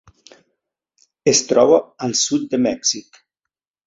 Es troba al sud de Mèxic.